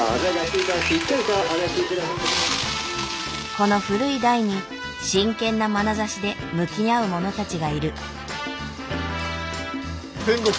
この古い台に真剣なまなざしで向き合う者たちがいる。